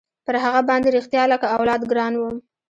پر هغه باندې رښتيا لكه اولاد ګران وم.